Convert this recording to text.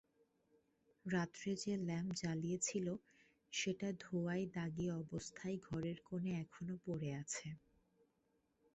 রাত্রে যে ল্যাম্প জ্বলেছিল সেটা ধোঁয়ায় দাগি অবস্থায় ঘরের কোণে এখনো পড়ে আছে।